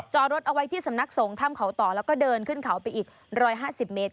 อรถเอาไว้ที่สำนักสงฆ์ถ้ำเขาต่อแล้วก็เดินขึ้นเขาไปอีก๑๕๐เมตร